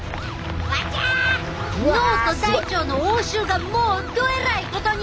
あちゃ脳と大腸の応酬がもうどえらいことに！